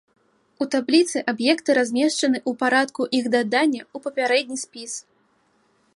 У табліцы аб'екты размешчаны ў парадку іх дадання ў папярэдні спіс.